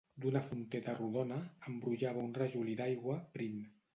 D'una fonteta rodona, en brollava un rajolí d'aigua, prim